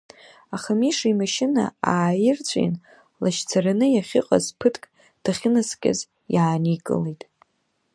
Аха Миша имашьына ааирҵәин, лашьцараны иахьыҟаз, ԥыҭк дахьынаскьаз иааникылеит.